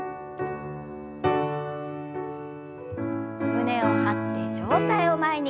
胸を張って上体を前に。